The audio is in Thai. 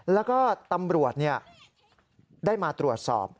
แล้วก็ตำรวจได้มาตรวจสอบ